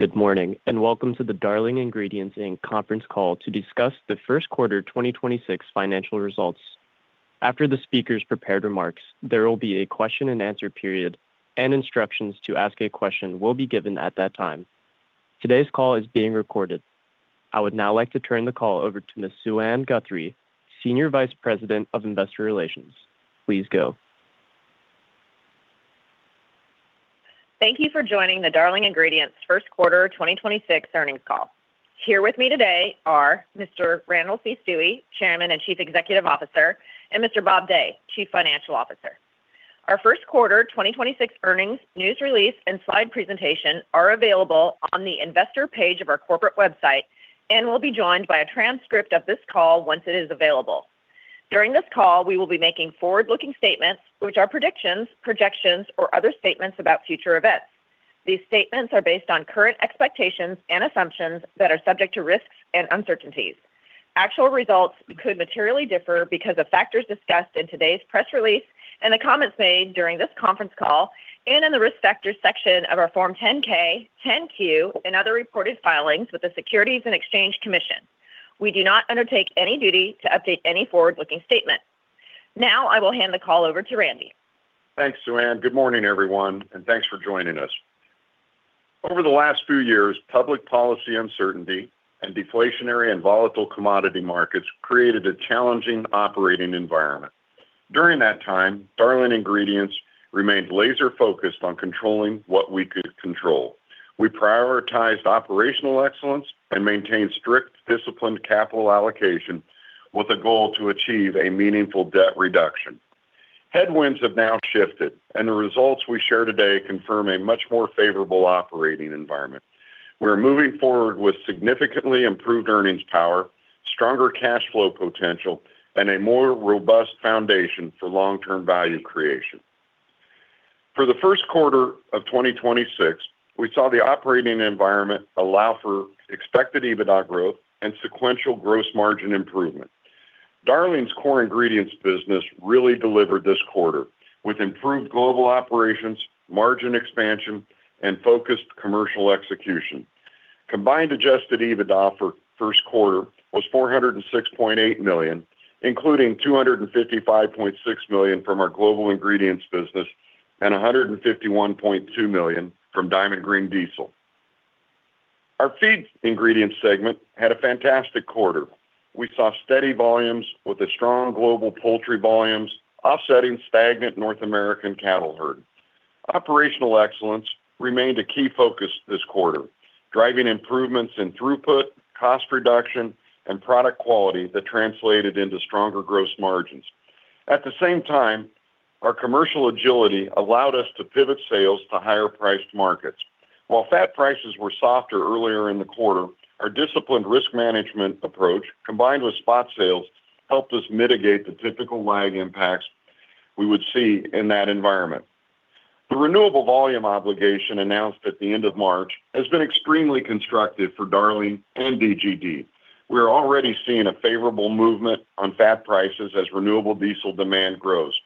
Good morning, and welcome to the Darling Ingredients Inc. Conference Call to discuss the first quarter 2026 financial results. After the speakers' prepared remarks, there will be a question-and-answer period, and instructions to ask a question will be given at that time. Today's call is being recorded. I would now like to turn the call over to Ms. Suann Guthrie, Senior Vice President of Investor Relations. Please go. Thank you for joining the Darling Ingredients first quarter 2026 earnings call. Here with me today are Mr. Randall C. Stuewe, Chairman and Chief Executive Officer, and Mr. Bob Day, Chief Financial Officer. Our first quarter 2026 earnings news release and slide presentation are available on the Investor page of our corporate website and will be joined by a transcript of this call once it is available. During this call, we will be making forward-looking statements, which are predictions, projections, or other statements about future events. These statements are based on current expectations and assumptions that are subject to risks and uncertainties. Actual results could materially differ because of factors discussed in today's press release and the comments made during this conference call and in the Risk Factors section of our Form 10-K, 10-Q, and other reported filings with the Securities and Exchange Commission. We do not undertake any duty to update any forward-looking statement. Now, I will hand the call over to Randy. Thanks, Suann. Good morning, everyone, and thanks for joining us. Over the last few years, public policy uncertainty and deflationary and volatile commodity markets created a challenging operating environment. During that time, Darling Ingredients remained laser-focused on controlling what we could control. We prioritized operational excellence and maintained strict disciplined capital allocation with a goal to achieve a meaningful debt reduction. Headwinds have now shifted, and the results we share today confirm a much more favourable operating environment. We're moving forward with significantly improved earnings power, stronger cash flow potential, and a more robust foundation for long-term value creation. For the first quarter of 2026, we saw the operating environment allow for expected EBITDA growth and sequential gross margin improvement. Darling's core ingredients business really delivered this quarter with improved global operations, margin expansion, and focused commercial execution. Combined Adjusted EBITDA for first quarter was $406.8 million, including $255.6 million from our global ingredients business and $151.2 million from Diamond Green Diesel. Our feeds ingredients segment had a fantastic quarter. We saw steady volumes with the strong global poultry volumes offsetting stagnant North American cattle herd. Operational excellence remained a key focus this quarter, driving improvements in throughput, cost reduction, and product quality that translated into stronger gross margins. At the same time, our commercial agility allowed us to pivot sales to higher-priced markets. While fat prices were softer earlier in the quarter, our disciplined risk management approach, combined with spot sales, helped us mitigate the typical lag impacts we would see in that environment. The Renewable Volume Obligation announced at the end of March has been extremely constructive for Darling and DGD. We're already seeing a favourable movement on fat prices as renewable diesel demand grows.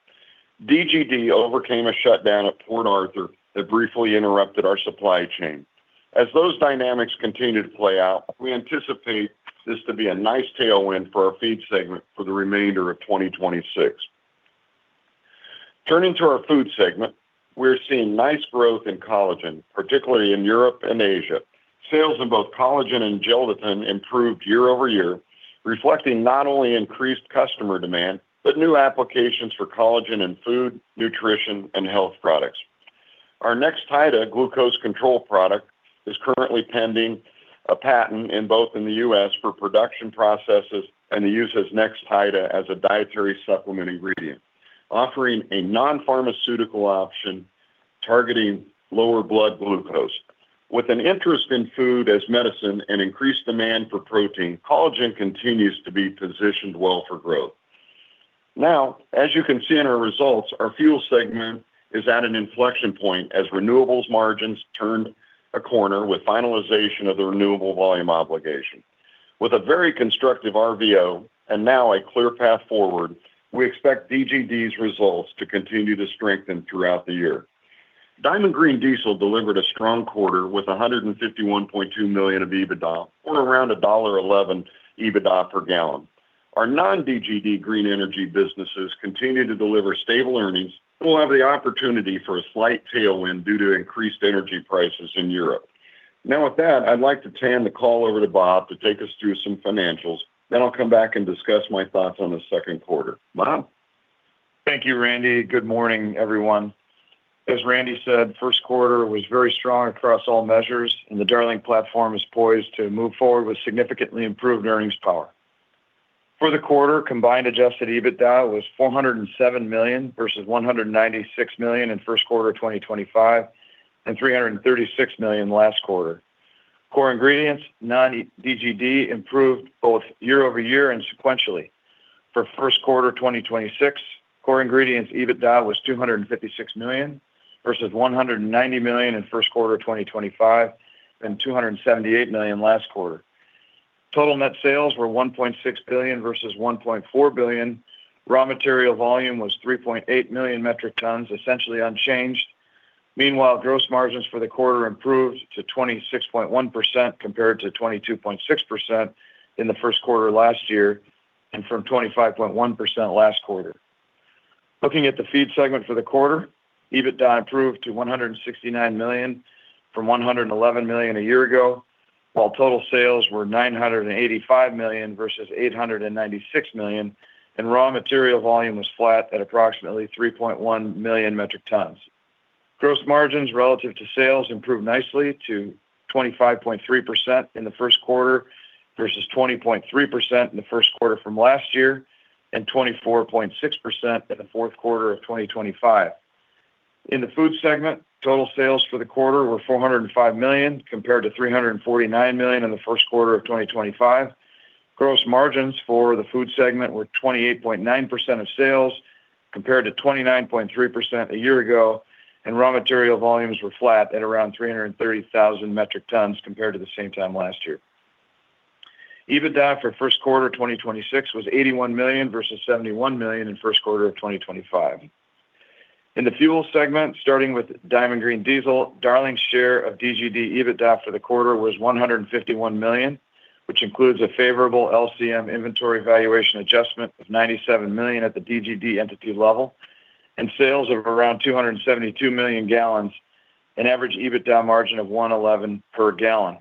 DGD overcame a shutdown at Port Arthur that briefly interrupted our supply chain. As those dynamics continue to play out, we anticipate this to be a nice tailwind for our feed segment for the remainder of 2026. Turning to our food segment, we're seeing nice growth in collagen, particularly in Europe and Asia. Sales in both collagen and gelatin improved year-over-year, reflecting not only increased customer demand, but new applications for collagen in food, nutrition, and health products. Our Nextida GC product is currently pending a patent in both in the U.S. for production processes and the use of Nextida as a dietary supplement ingredient, offering a non-pharmaceutical option targeting lower blood glucose. With an interest in food as medicine and increased demand for protein, collagen continues to be positioned well for growth. Now, as you can see in our results, our fuel segment is at an inflection point as renewables margins turned a corner with finalization of the Renewable Volume Obligation. With a very constructive RVO and now a clear path forward, we expect DGD's results to continue to strengthen throughout the year. Diamond Green Diesel delivered a strong quarter with $151.2 million of EBITDA or around $1.11 EBITDA per gallon. Our non-DGD green energy businesses continue to deliver stable earnings and will have the opportunity for a slight tailwind due to increased energy prices in Europe. Now with that, I'd like to turn the call over to Bob to take us through some financials. I'll come back and discuss my thoughts on the second quarter. Bob? Thank you, Randy. Good morning, everyone. As Randy said, first quarter was very strong across all measures. The Darling platform is poised to move forward with significantly improved earnings power. For the quarter, combined Adjusted EBITDA was $407 million versus $196 million in first quarter 2025 and $336 million last quarter. Core ingredients non-DGD improved both year-over-year and sequentially. For first quarter 2026, core ingredients EBITDA was $256 million versus $190 million in first quarter 2025 and $278 million last quarter. Total net sales were $1.6 billion versus $1.4 billion. Raw material volume was 3.8 million metric tons, essentially unchanged. Meanwhile, gross margins for the quarter improved to 26.1% compared to 22.6% in the first quarter last year, and from 25.1% last quarter. Looking at the feed segment for the quarter, EBITDA improved to $169 million from $111 million a year ago, while total sales were $985 million versus $896 million, and raw material volume was flat at approximately 3.1 million metric tons. Gross margins relative to sales improved nicely to 25.3% in the first quarter versus 20.3% in the first quarter from last year and 24.6% in the fourth quarter of 2025. In the food segment, total sales for the quarter were $405 million compared to $349 million in the first quarter of 2025. Gross margins for the food segment were 28.9% of sales compared to 29.3% a year ago, and raw material volumes were flat at around 330,000 metric tons compared to the same time last year. EBITDA for first quarter 2026 was $81 million versus $71 million in first quarter of 2025. In the fuel segment, starting with Diamond Green Diesel, Darling's share of DGD EBITDA for the quarter was $151 million, which includes a favourable LCM inventory valuation adjustment of $97 million at the DGD entity level and sales of around 272 million gallons, an average EBITDA margin of $1.11 per gallon.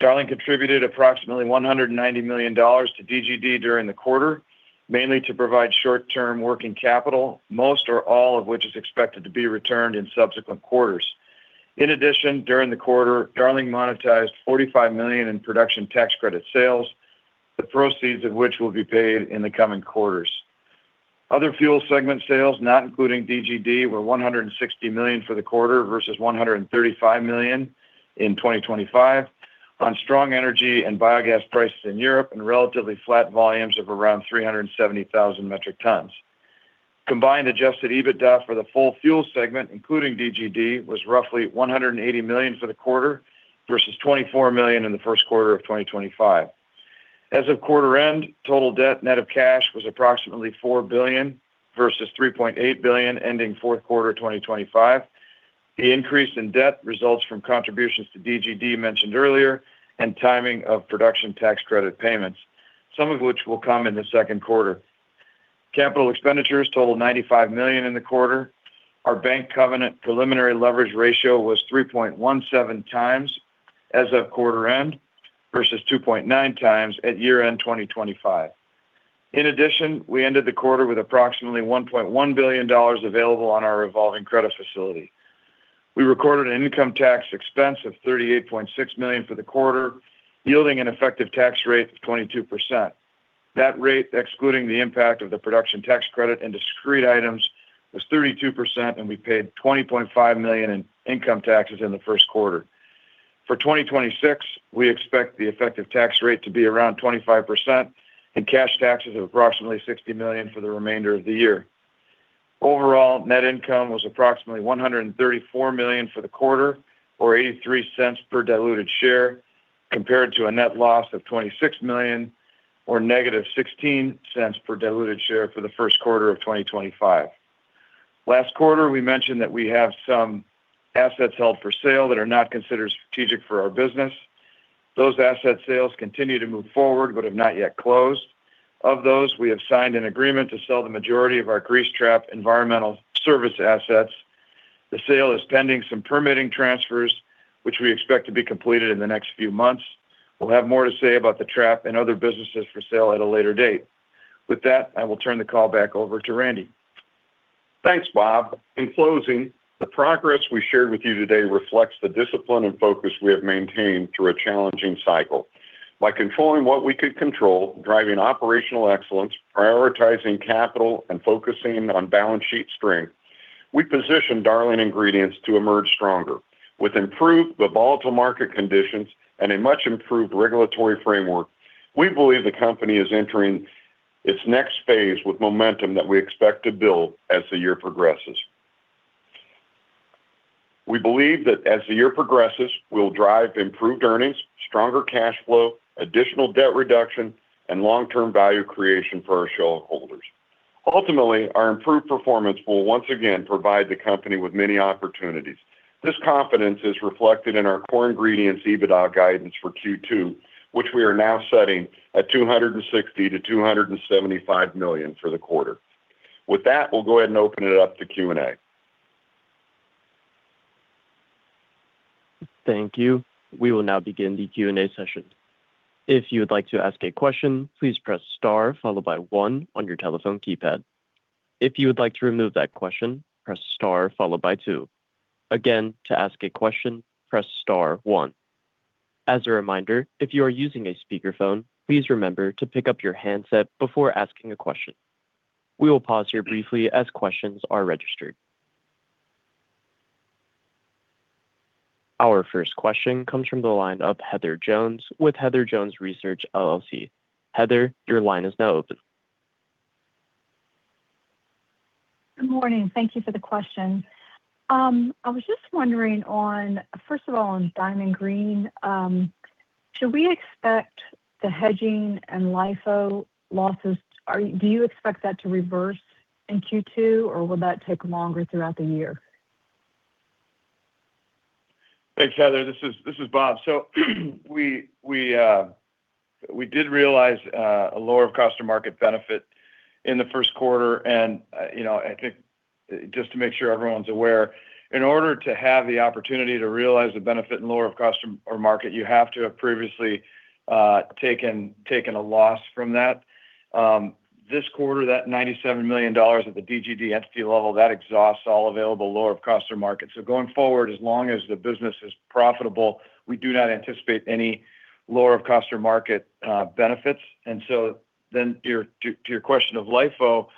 Darling contributed approximately $190 million to DGD during the quarter, mainly to provide short-term working capital, most or all of which is expected to be returned in subsequent quarters. In addition, during the quarter, Darling monetized $45 million in production tax credit sales, the proceeds of which will be paid in the coming quarters. Other fuel segment sales, not including DGD, were $160 million for the quarter versus $135 million in 2025 on strong energy and biogas prices in Europe and relatively flat volumes of around 370,000 metric tons. Combined Adjusted EBITDA for the full fuel segment, including DGD, was roughly $180 million for the quarter versus $24 million in the first quarter of 2025. As of quarter end, total debt net of cash was approximately $4 billion versus $3.8 billion ending fourth quarter 2025. The increase in debt results from contributions to DGD mentioned earlier and timing of production tax credit payments, some of which will come in the second quarter. Capital expenditures totalled $95 million in the quarter. Our bank covenant preliminary leverage ratio was 3.17x as of quarter end versus 2.9x at year-end 2025. In addition, we ended the quarter with approximately $1.1 billion available on our revolving credit facility. We recorded an income tax expense of $38.6 million for the quarter, yielding an effective tax rate of 22%. That rate, excluding the impact of the production tax credit and discrete items, was 32%, and we paid $20.5 million in income taxes in the 1st quarter. For 2026, we expect the effective tax rate to be around 25% and cash taxes of approximately $60 million for the remainder of the year. Overall, net income was approximately $134 million for the quarter or $0.83 per diluted share compared to a net loss of $26 million or -$0.16 per diluted share for the first quarter of 2025. Last quarter, we mentioned that we have some assets held for sale that are not considered strategic for our business. Those asset sales continue to move forward but have not yet closed. Of those, we have signed an agreement to sell the majority of our grease trap environmental service assets. The sale is pending some permitting transfers, which we expect to be completed in the next few months. We'll have more to say about the trap and other businesses for sale at a later date. With that, I will turn the call back over to Randy. Thanks, Bob. In closing, the progress we shared with you today reflects the discipline and focus we have maintained through a challenging cycle. By controlling what we could control, driving operational excellence, prioritizing capital, and focusing on balance sheet strength, we positioned Darling Ingredients to emerge stronger. With improved but volatile market conditions and a much-improved regulatory framework, we believe the company is entering its next phase with momentum that we expect to build as the year progresses. We believe that as the year progresses, we'll drive improved earnings, stronger cash flow, additional debt reduction, and long-term value creation for our shareholders. Ultimately, our improved performance will once again provide the company with many opportunities. This confidence is reflected in our Core Ingredients EBITDA guidance for Q2, which we are now setting at $260 million to $275 million for the quarter. With that, we'll go ahead and open it up to Q&A. Thank you. We will now begin the Q&A session. If you would like to ask a question, please press star followed by one on your telephone keypad. If you would like to remove that question, press star followed by two. Again, to ask a question, press star one. As a reminder, if you are using a speakerphone, please remember to pick up your handset before asking a question. We will pause here briefly as questions are registered. Our first question comes from the line of Heather L. Jones with Heather Jones Research LLC. Heather, your line is now open Good morning. Thank you for the question. I was just wondering on, first of all, on Diamond Green Diesel, Do you expect that to reverse in Q2, or will that take longer throughout the year? Thanks, Heather. This is Bob. We did realize a lower cost of market benefit in the first quarter. You know, I think just to make sure everyone's aware, in order to have the opportunity to realize the benefit and lower of cost or market, you have to have previously taken a loss from that. This quarter, that $97 million at the DGD entity level, that exhausts all available lower of cost or market. Going forward, as long as the business is profitable, we do not anticipate any lower of cost or market benefits. To your question of LIFO,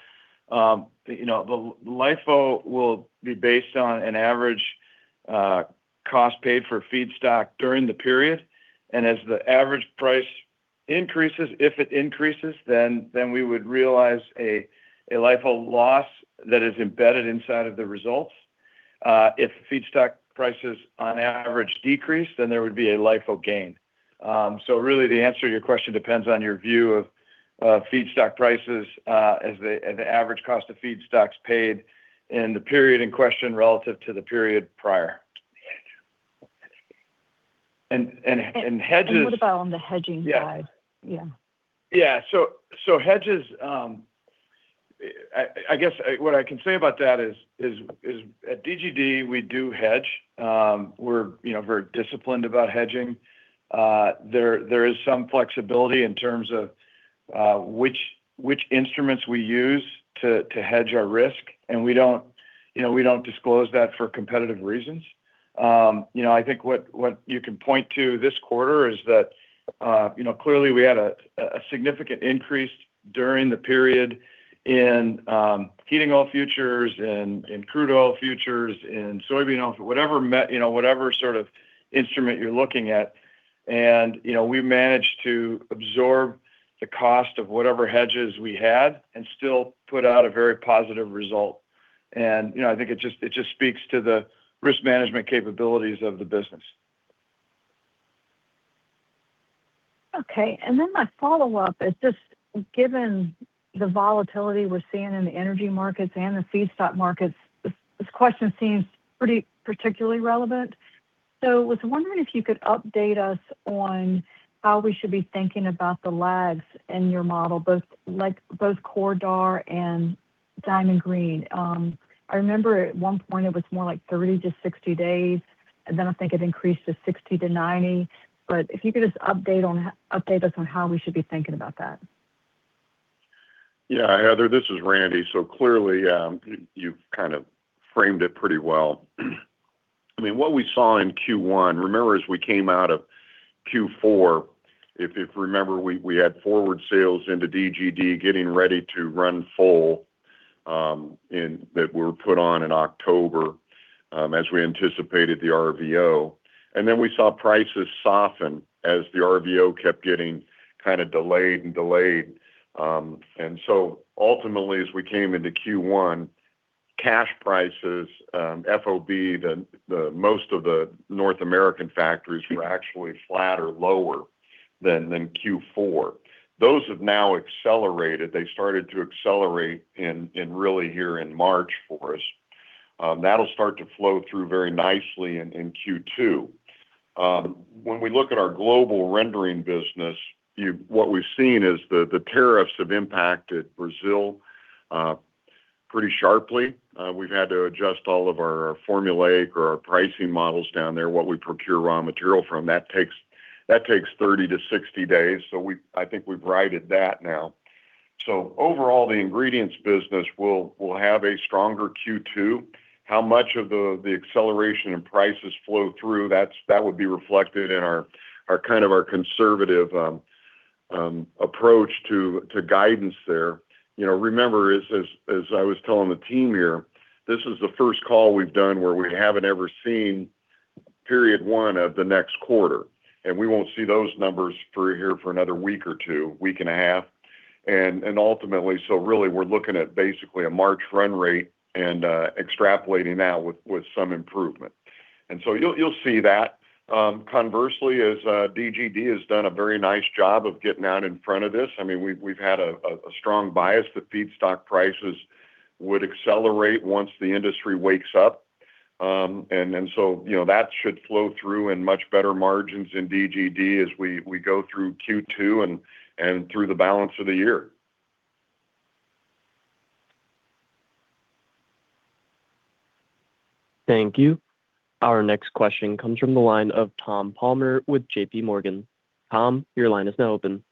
you know, the LIFO will be based on an average cost paid for feedstock during the period. As the average price increases, if it increases, then we would realize a LIFO loss that is embedded inside of the results. If feedstock prices on average decrease, then there would be a LIFO gain. Really the answer to your question depends on your view of feedstock prices as the average cost of feedstocks paid in the period in question relative to the period prior. What about on the hedging side? Yeah. Yeah. Hedges, I guess what I can say about that is at DGD, we do hedge. We're, you know, very disciplined about hedging. There is some flexibility in terms of which instruments we use to hedge our risk. We don't, you know, we don't disclose that for competitive reasons. You know, I think what you can point to this quarter is that, you know, clearly we had a significant increase during the period in heating oil futures, in crude oil futures, in soybean oil, whatever, you know, whatever sort of instrument you're looking at. You know, we managed to absorb the cost of whatever hedges we had and still put out a very positive result. You know, I think it just speaks to the risk management capabilities of the business. My follow-up is just given the volatility we're seeing in the energy markets and the feedstock markets, this question seems pretty particularly relevant. I was wondering if you could update us on how we should be thinking about the lags in your model, both core DAR and Diamond Green Diesel. I remember at one point it was more like 30 to 60 days, and then I think it increased to 60 to 90 days. If you could just update us on how we should be thinking about that. Yeah, Heather, this is Randy. Clearly, you've kind of framed it pretty well. I mean, what we saw in Q1, remember, as we came out of Q4, if remember, we had forward sales into DGD getting ready to run full, that were put on in October, as we anticipated the RVO. Then we saw prices soften as the RVO kept getting kind of delayed and delayed. Ultimately, as we came into Q1, cash prices, FOB, the most of the North American factories were actually flat or lower than Q4. Those have now accelerated. They started to accelerate in really here in March for us. That'll start to flow through very nicely in Q2. When we look at our global rendering business, what we've seen is the tariffs have impacted Brazil pretty sharply. We've had to adjust all of our formulaic or our pricing models down there, what we procure raw material from. That takes 30 to 60 days. I think we've righted that now. Overall, the ingredients business will have a stronger Q2. How much of the acceleration in prices flow through? That would be reflected in our kind of our conservative approach to guidance there. You know, remember, as I was telling the team here, this is the first call we've done where we haven't ever seen period one of the next quarter, and we won't see those numbers for another week or two, week and a half. Ultimately, really, we're looking at basically a March run rate and extrapolating out with some improvement. You'll see that. Conversely, as DGD has done a very nice job of getting out in front of this. I mean, we've had a strong bias that feedstock prices would accelerate once the industry wakes up. You know, that should flow through in much better margins in DGD as we go through Q2 and through the balance of the year. Thank you. Our next question comes from the line of Thomas Palmer with J.P. Morgan. Tom, your line is now open.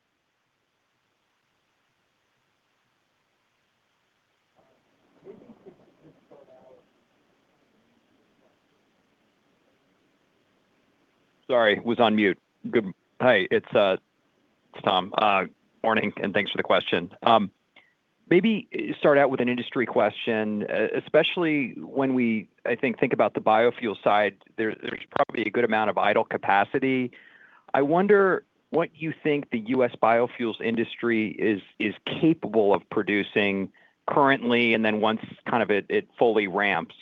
Sorry, was on mute. Hi, it's Tom. Morning. Thanks for the question. Maybe start out with an industry question. Especially when we think about the biofuel side, there's probably a good amount of idle capacity. I wonder what you think the U.S. biofuels industry is capable of producing currently, then once kind of it fully ramps,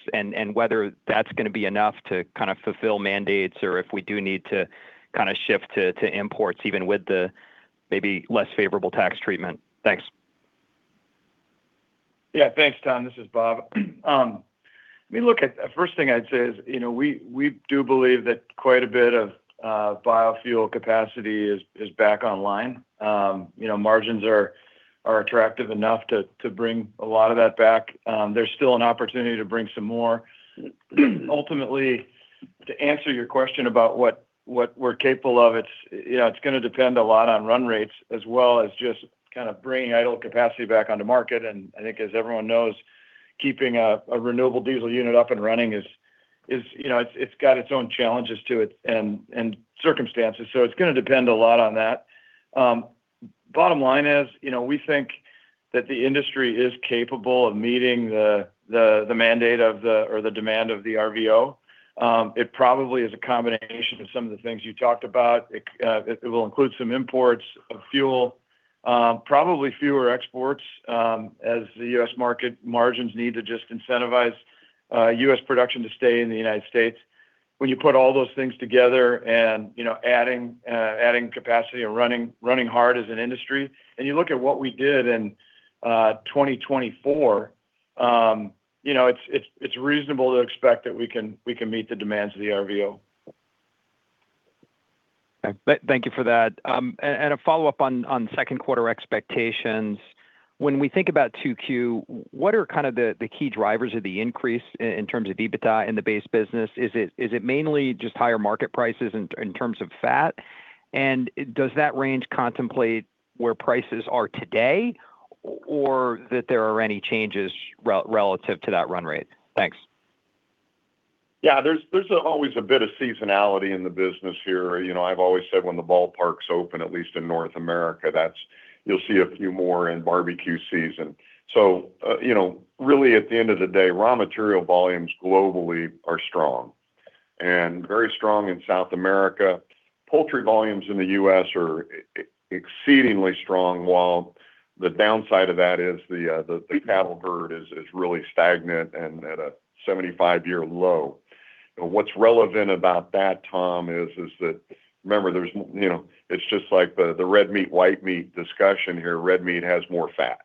whether that's going to be enough to kind of fulfill mandates, or if we do need to kind of shift to imports even with the maybe less favourable tax treatment. Thanks. Thanks, Tom. This is Bob. I mean, look, the first thing I'd say is, you know, we do believe that quite a bit of biofuel capacity is back online. You know, margins are attractive enough to bring a lot of that back. There's still an opportunity to bring some more. Ultimately, to answer your question about what we're capable of, it's, you know, it's gonna depend a lot on run rates as well as just kind of bringing idle capacity back on the market. I think as everyone knows, keeping a renewable diesel unit up and running is, you know, it's got its own challenges to it and circumstances. It's gonna depend a lot on that. Bottom line is, you know, we think that the industry is capable of meeting the mandate of the, or the demand of the RVO. It probably is a combination of some of the things you talked about. It will include some imports of fuel, probably fewer exports, as the U.S. market margins need to just incentivize U.S. production to stay in the United States. When you put all those things together and, you know, adding capacity and running hard as an industry, and you look at what we did in 2024, you know, it's reasonable to expect that we can meet the demands of the RVO. Thank you for that. A follow-up on second quarter expectations. When we think about 2Q, what are kind of the key drivers of the increase in terms of EBITDA in the base business? Is it mainly just higher market prices in terms of fat? Does that range contemplate where prices are today or that there are any changes relative to that run rate? Thanks. Yeah. There's always a bit of seasonality in the business here. You know, I've always said when the ballparks open, at least in North America, you'll see a few more in barbecue season. Really at the end of the day, raw material volumes globally are strong, and very strong in South America. Poultry volumes in the U.S. are exceedingly strong, while the downside of that is the cattle herd is really stagnant and at a 75-year low. What's relevant about that, Tom, is that remember you know, it's just like the red meat/white meat discussion here. Red meat has more fat.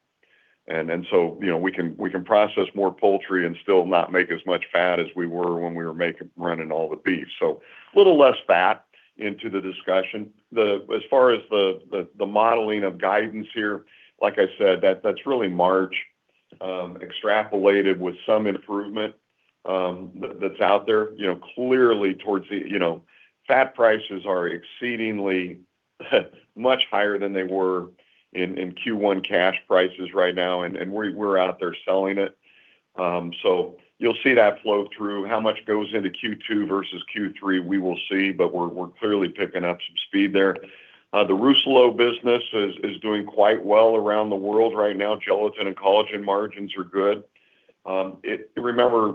You know, we can process more poultry and still not make as much fat as we were when we were running all the beef. A little less fat into the discussion. As far as the modelling of guidance here, like I said, that's really March, extrapolated with some improvement, that's out there, you know, clearly towards the, you know, fat prices are exceedingly much higher than they were in Q1 cash prices right now, and we're out there selling it. You'll see that flow through. How much goes into Q2 versus Q3, we will see, but we're clearly picking up some speed there. The Rousselot business is doing quite well around the world right now. Gelatin and collagen margins are good. Remember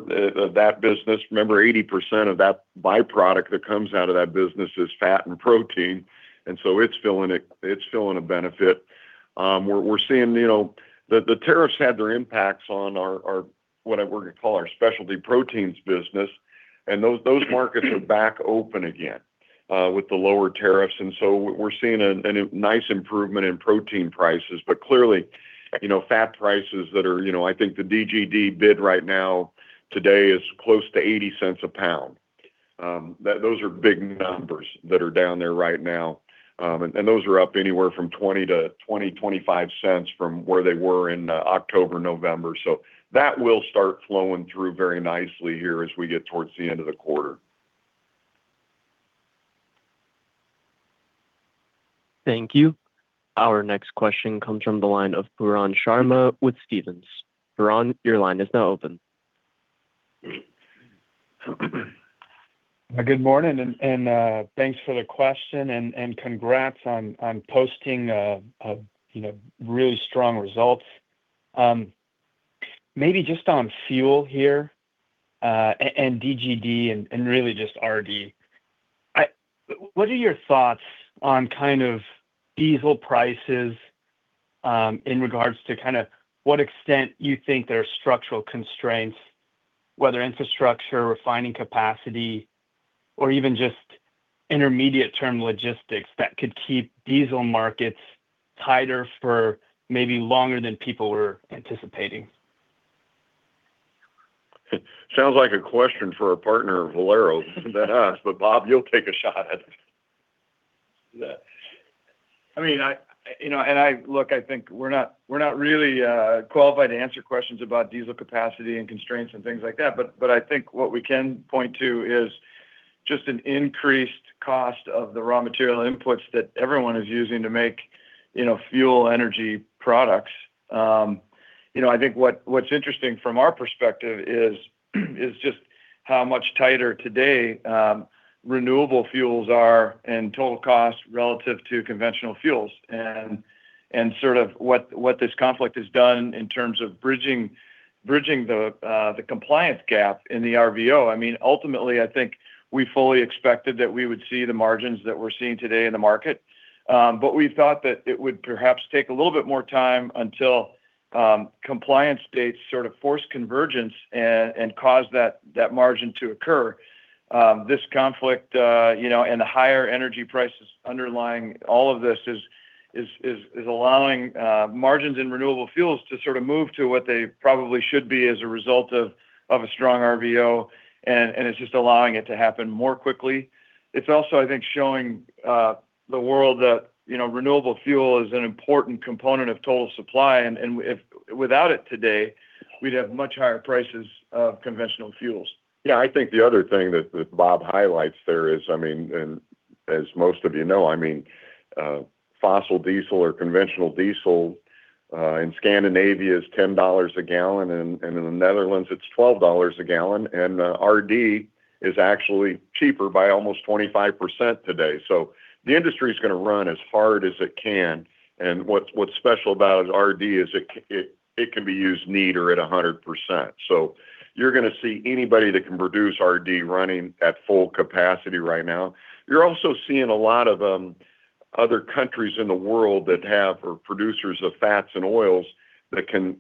that business, remember 80% of that by-product that comes out of that business is fat and protein, and so it's filling a benefit. We're seeing, you know, the tariffs had their impacts on our, we're gonna call our specialty proteins business, and those markets are back open again with the lower tariffs. We're seeing a nice improvement in protein prices. Clearly, you know, fat prices, you know, I think the DGD bid right now today is close to $0.80 a pound. Those are big numbers that are down there right now. And those are up anywhere from $0.20 to $0.25 from where they were in October, November. That will start flowing through very nicely here as we get towards the end of the quarter. Thank you. Our next question comes from the line of Pooran Sharma with Stephens. Pooran, your line is now open. Good morning and thanks for the question, and congrats on posting, you know, really strong results. Maybe just on fuel here, and DGD and really just RD. What are your thoughts on kind of diesel prices, in regards to kind of what extent you think there are structural constraints, whether infrastructure, refining capacity, or even just intermediate-term logistics that could keep diesel markets tighter for maybe longer than people were anticipating? Sounds like a question for our partner, Valero Energy Corporation, than us. Bob, you'll take a shot at that. I mean, I, you know, I look, I think we're not really qualified to answer questions about diesel capacity and constraints and things like that. I think what we can point to is just an increased cost of the raw material inputs that everyone is using to make, you know, fuel energy products. You know, I think what's interesting from our perspective is just how much tighter today renewable fuels are in total cost relative to conventional fuels and sort of what this conflict has done in terms of bridging the compliance gap in the RVO, I mean, ultimately, I think we fully expected that we would see the margins that we're seeing today in the market. We thought that it would perhaps take a little bit more time until compliance dates sort of force convergence and cause that margin to occur. This conflict, you know, and the higher energy prices underlying all of this is allowing margins in renewable fuels to sort of move to what they probably should be as a result of a strong RVO, and it's just allowing it to happen more quickly. It's also, I think, showing the world that, you know, renewable fuel is an important component of total supply, and if without it today, we'd have much higher prices of conventional fuels. Yeah. I think the other thing that Bob highlights there is, fossil diesel or conventional diesel in Scandinavia is $10 a gallon, and in the Netherlands it's $12 a gallon. RD is actually cheaper by almost 25% today. The industry's gonna run as hard as it can. What's special about RD is it can be used neat or at 100%. You're gonna see anybody that can produce RD running at full capacity right now. You're also seeing a lot of other countries in the world that are producers of fats and oils that can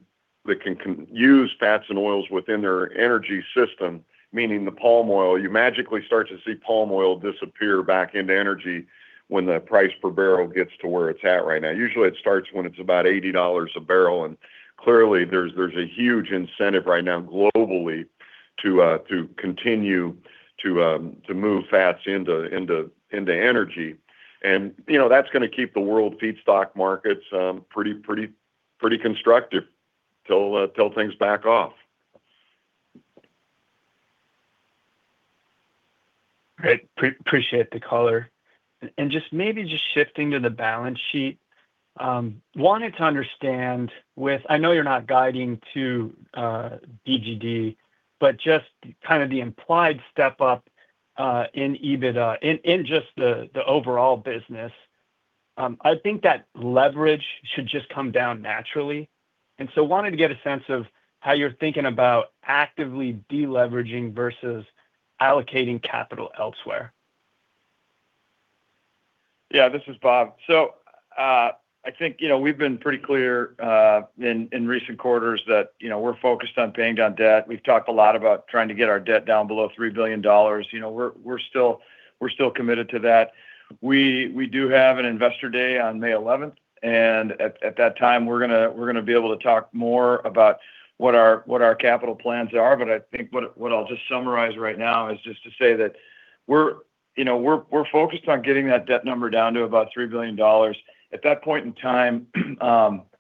use fats and oils within their energy system. Meaning the palm oil, you magically start to see palm oil disappear back into energy when the price per barrel gets to where it's at right now. Usually it starts when it's about $80 a barrel. Clearly there's a huge incentive right now globally to continue to move fats into energy. You know, that's gonna keep the world feedstock markets pretty constructive till things back off. Great. Appreciate the color. Just maybe just shifting to the balance sheet, wanted to understand I know you're not guiding to DGD, but just kind of the implied step up in EBITDA, in just the overall business. I think that leverage should just come down naturally, wanted to get a sense of how you're thinking about actively de-leveraging versus allocating capital elsewhere. This is Bob. I think, you know, we've been pretty clear in recent quarters that, you know, we're focused on paying down debt. We've talked a lot about trying to get our debt down below $3 billion. You know, we're still committed to that. We do have an Investor Day on May 11th, and at that time we're gonna be able to talk more about what our capital plans are. I think what I'll just summarize right now is just to say that we're, you know, we're focused on getting that debt number down to about $3 billion. At that point in time,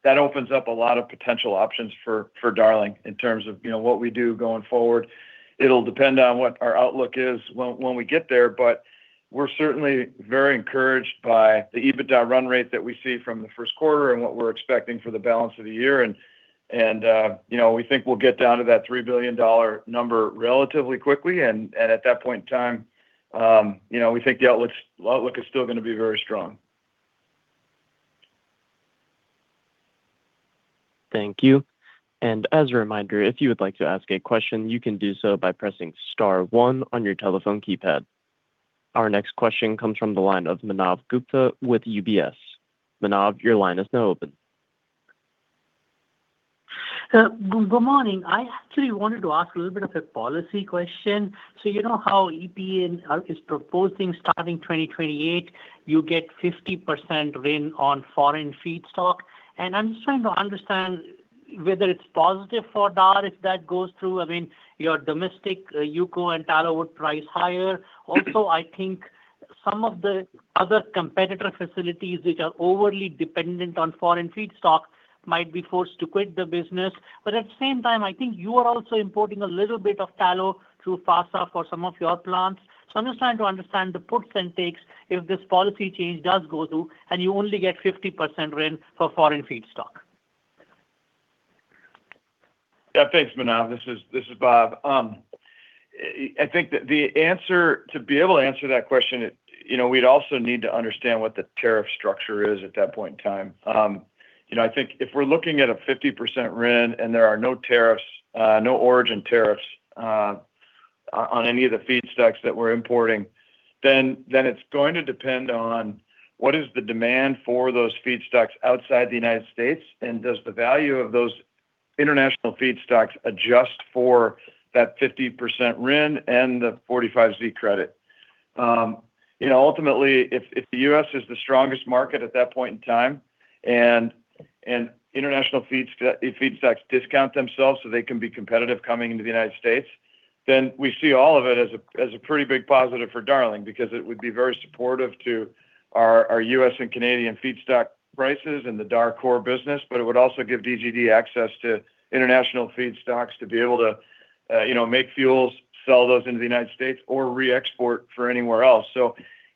that opens up a lot of potential options for Darling in terms of, you know, what we do going forward. It'll depend on what our outlook is when we get there, but we're certainly very encouraged by the EBITDA run rate that we see from the first quarter and what we're expecting for the balance of the year. You know, we think we'll get down to that $3 billion number relatively quickly. At that point in time, you know, we think the outlook is still gonna be very strong. Thank you. Our next question comes from the line of Manav Gupta with UBS. Manav, your line is now open. Good morning. I actually wanted to ask a little bit of a policy question. You know how EPA is proposing starting 2028, you get 50% RIN on foreign feedstock? I'm just trying to understand whether it's positive for DAR if that goes through. I mean, your domestic UCO and tallow would price higher. I think some of the other competitor facilities which are overly dependent on foreign feedstock might be forced to quit the business. At the same time, I think you are also importing a little bit of tallow through FASA for some of your plants. I'm just trying to understand the puts and takes if this policy change does go through and you only get 50% RIN for foreign feedstock. Thanks, Manav. This is Bob. I think the answer to be able to answer that question, you know, we'd also need to understand what the tariff structure is at that point in time. You know, I think if we're looking at a 50% RIN and there are no tariffs, no origin tariffs, on any of the feedstocks that we're importing, then it's going to depend on what is the demand for those feedstocks outside the U.S., and does the value of those international feedstocks adjust for that 50% RIN and the 45Z credit? You know, ultimately, if the U.S. is the strongest market at that point in time and international feedstocks discount themselves so they can be competitive coming into the United States, then we see all of it as a, as a pretty big positive for Darling because it would be very supportive to our U.S. and Canadian feedstock prices and the DAR core business, but it would also give DGD access to international feedstocks to be able to, you know, make fuels, sell those into the United States or re-export for anywhere else.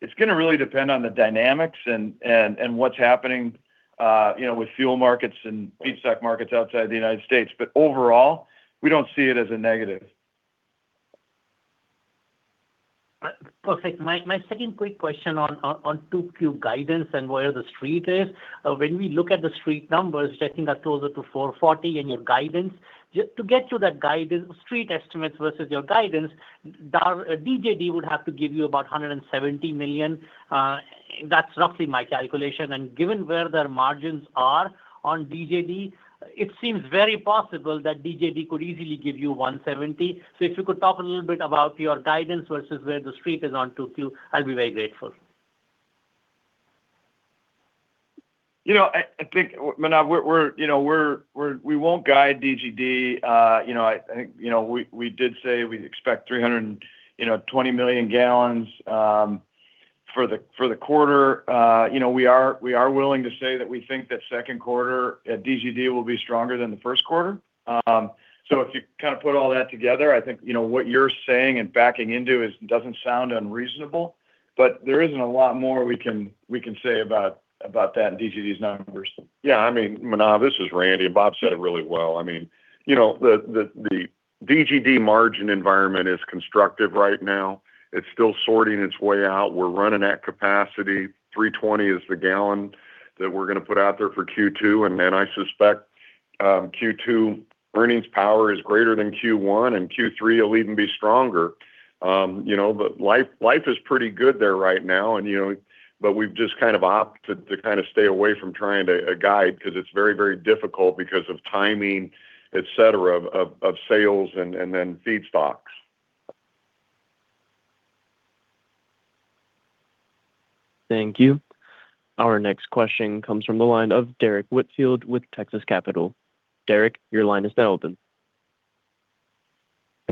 It's gonna really depend on the dynamics and, and what's happening, you know, with fuel markets and feedstock markets outside the United States. Overall, we don't see it as a negative. Perfect. My second quick question on 2Q guidance and where the street is. When we look at the street numbers, checking are closer to $440 in your guidance. Just to get to that guidance, street estimates versus your guidance, DGD would have to give you about $170 million, that's roughly my calculation. Given where their margins are on DGD, it seems very possible that DGD could easily give you $170. If you could talk a little bit about your guidance versus where the street is on 2Q, I'll be very grateful. You know, I think, Manav, we're, you know, we're, we won't guide DGD. You know, I think, you know, we did say we expect 320 million gallons, you know, for the quarter. You know, we are willing to say that we think that 2Q at DGD will be stronger than the 1Q. If you kind of put all that together, I think, you know, what you're saying and backing into is doesn't sound unreasonable. There isn't a lot more we can say about that in DGD's numbers. Yeah, I mean, Manav, this is Randy, and Bob said it really well. I mean, you know, the DGD margin environment is constructive right now. It's still sorting its way out. We're running at capacity. 320 is the gallon that we're gonna put out there for 2Q. Then I suspect, 2Q earnings power is greater than 1Q, and 3Q will even be stronger. You know, but life is pretty good there right now and, you know. We've just kind of opt to kind of stay away from trying to guide because it's very difficult because of timing, et cetera, of sales and then feedstocks. Thank you. Our next question comes from the line of Derrick Whitfield with Texas Capital. Derrick, your line is now open.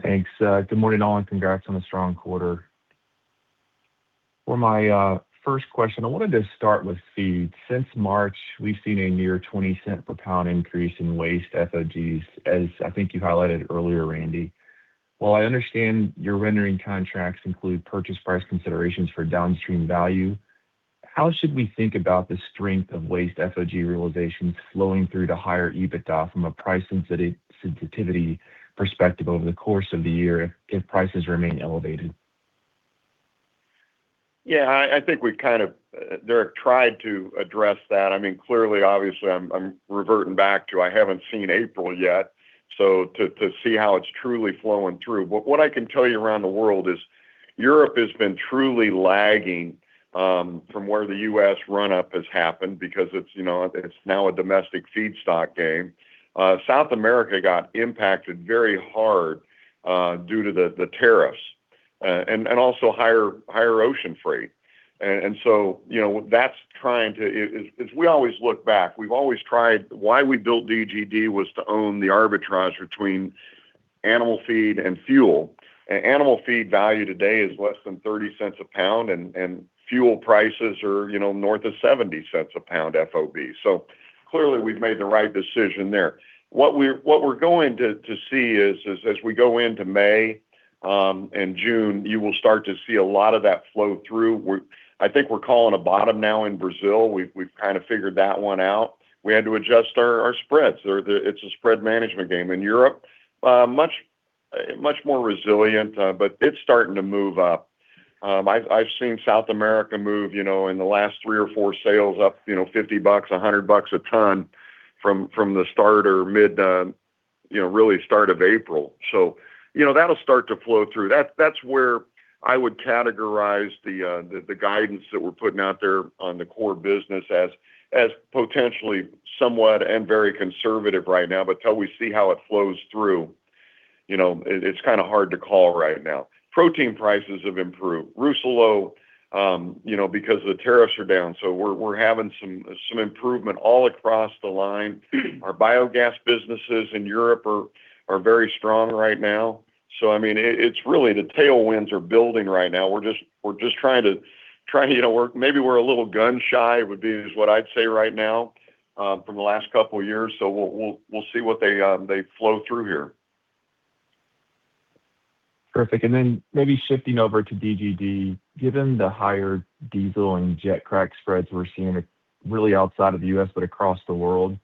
Thanks. Good morning, all, congrats on the strong quarter. For my first question, I wanted to start with feed. Since March, we've seen a near $0.20 per pound increase in waste FOGs, as I think you highlighted earlier, Randy. While I understand your rendering contracts include purchase price considerations for downstream value, how should we think about the strength of waste FOG realization flowing through to higher EBITDA from a price sensitivity perspective over the course of the year if prices remain elevated? I think we kind of, Derrick, tried to address that. I mean, clearly, obviously, I'm reverting back to I haven't seen April yet, so to see how it's truly flowing through. What I can tell you around the world is Europe has been truly lagging from where the U.S. run-up has happened because it's, you know, it's now a domestic feedstock game. South America got impacted very hard due to the tariffs and also higher ocean freight. As we always look back, why we built DGD was to own the arbitrage between animal feed and fuel. Animal feed value today is less than $0.30 a pound and fuel prices are, you know, north of $0.70 a pound FOB. Clearly we've made the right decision there. What we're going to see is as we go into May and June, you will start to see a lot of that flow through. I think we're calling a bottom now in Brazil. We've kind of figured that one out. We had to adjust our spreads. It's a spread management game. In Europe, much more resilient, but it's starting to move up. I've seen South America move, you know, in the last three or four sales up, you know, $50, $100 a ton from the start or mid, you know, really start of April. You know, that'll start to flow through. That's where I would categorize the guidance that we're putting out there on the core business as potentially somewhat and very conservative right now. Till we see how it flows through, you know, it's kinda hard to call right now. Protein prices have improved. Rousselot, you know, because the tariffs are down, we're having some improvement all across the line. Our biogas businesses in Europe are very strong right now. I mean, it's really the tailwinds are building right now. We're just trying to, you know, maybe we're a little gun-shy would be, is what I'd say right now from the last couple of years. We'll see what they flow through here. Perfect. Maybe shifting over to DGD. Given the higher diesel and jet crack spreads we're seeing really outside of the U.S. but across the world,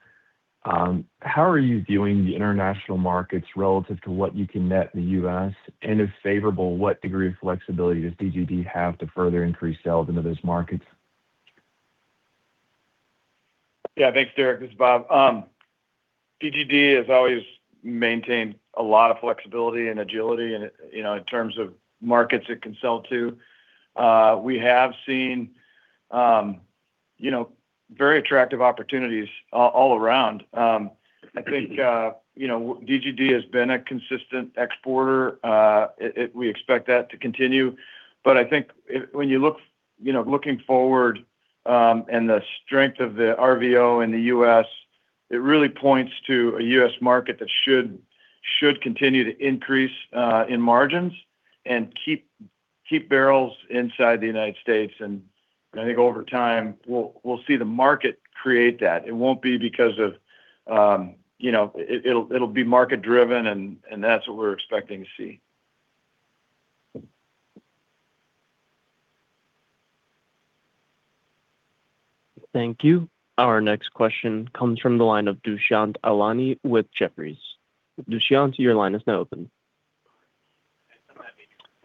how are you viewing the international markets relative to what you can net in the U.S.? If favorable, what degree of flexibility does DGD have to further increase sales into those markets? Thanks, Derrick. This is Bob. DGD has always maintained a lot of flexibility and agility in, you know, in terms of markets it can sell to. We have seen, you know, very attractive opportunities all around. I think, you know, DGD has been a consistent exporter. We expect that to continue. I think when you look, you know, looking forward, and the strength of the RVO in the U.S., it really points to a U.S. market that should continue to increase in margins and keep barrels inside the United States. I think over time, we'll see the market create that. It won't be because of, you know. It'll be market driven and that's what we're expecting to see. Thank you. Our next question comes from the line of Dushyant Ailani with Jefferies. Dushyant, your line is now open.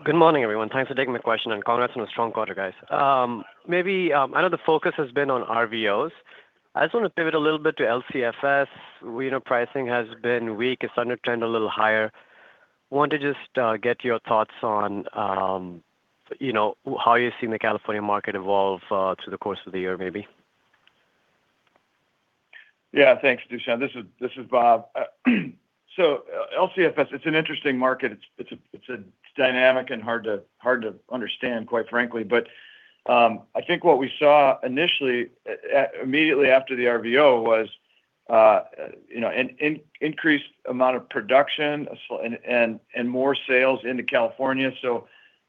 Good morning, everyone. Thanks for taking the question, and congrats on a strong quarter, guys. Maybe, I know the focus has been on RVOs. I just wanna pivot a little bit to LCFS. We know pricing has been weak. It's starting to trend a little higher. Wanted to just get your thoughts on, you know, how you're seeing the California market evolve through the course of the year maybe? Thanks, Dushyant. This is Bob. LCFS, it's an interesting market. It's a dynamic and hard to understand, quite frankly. I think what we saw initially, immediately after the RVO was, you know, an increased amount of production and more sales into California.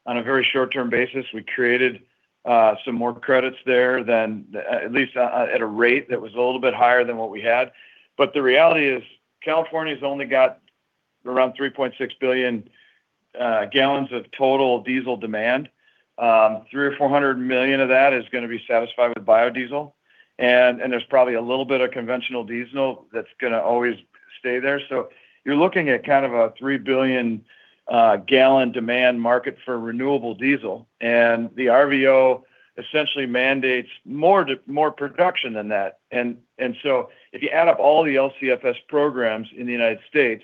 On a very short-term basis, we created some more credits there than at least at a rate that was a little bit higher than what we had. The reality is California's only got around 3.6 billion gallons of total diesel demand. 300 million to 400 million of that is gonna be satisfied with biodiesel. There's probably a little bit of conventional diesel that's gonna always stay there. You're looking at kind of a 3 billion gallon demand market for renewable diesel, and the RVO essentially mandates more production than that. If you add up all the LCFS programs in the U.S.,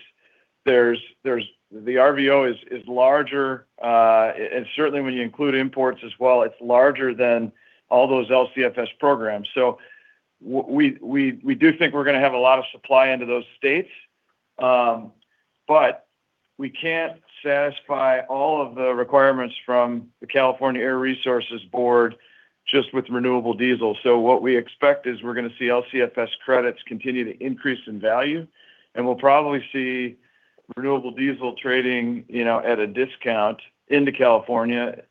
the RVO is larger, and certainly when you include imports as well, it's larger than all those LCFS programs. We do think we're going to have a lot of supply into those states. We can't satisfy all of the requirements from the California Air Resources Board just with renewable diesel. What we expect is we're going to see LCFS credits continue to increase in value, and we'll probably see renewable diesel trading, you know, at a discount into California,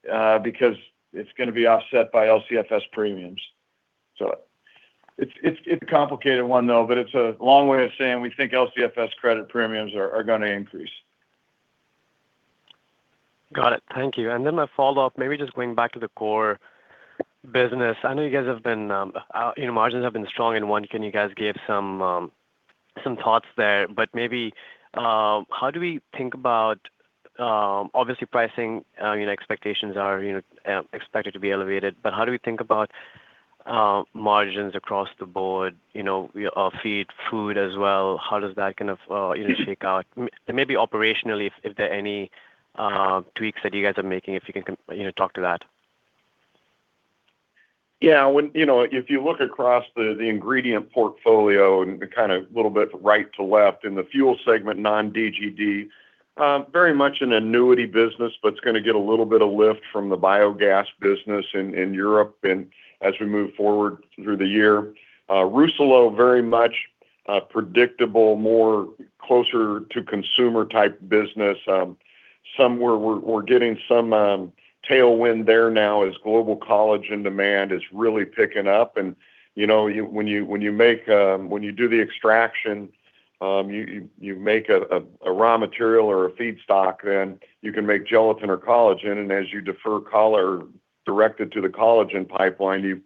because it's going to be offset by LCFS premiums. It's a complicated one though, but it's a long way of saying we think LCFS credit premiums are gonna increase. Got it. Thank you. My follow-up, maybe just going back to the core business. I know you guys have been, you know, margins have been strong in one. Can you guys give some thoughts there? Maybe, how do we think about, obviously pricing, you know, expectations are, you know, expected to be elevated? How do we think about, margins across the board, you know, feed, food as well? How does that kind of, you know, shake out? Maybe operationally, if there are any tweaks that you guys are making, if you can, you know, talk to that. Yeah. When, you know, if you look across the ingredient portfolio and kind of little bit right to left in the Fuel segment, non-DGD, very much an annuity business, but it's gonna get a little bit of lift from the biogas business in Europe and as we move forward through the year. Rousselot, very much a predictable, more closer to consumer type business. Somewhere we're getting some tailwind there now as global collagen demand is really picking up. You know, when you make, when you do the extraction, you make a raw material or a feedstock, then you can make gelatin or collagen. As you defer or direct it to the collagen pipeline,